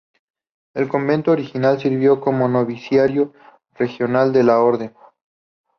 El convento original sirvió como noviciado regional de la orden.